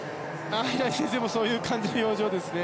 平井先生もそういう感じの表情ですね。